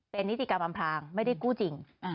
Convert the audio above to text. เป็นนิติกรรมอำพลางไม่ได้กู้จริง